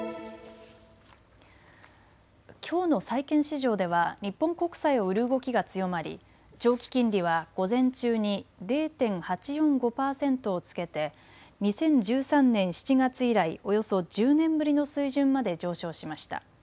きょうの債券市場では日本国債を売る動きが強まり長期金利は午前中に０．８４５％をつけて２０１３年７月以来、およそ１０年ぶりの水準まで上昇しました。